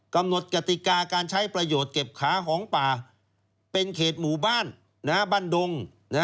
กำหนดกติกาการใช้ประโยชน์เก็บขาของป่าเป็นเขตหมู่บ้านบ้านดง